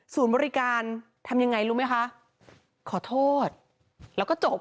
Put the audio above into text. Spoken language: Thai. บริการทำยังไงรู้ไหมคะขอโทษแล้วก็จบ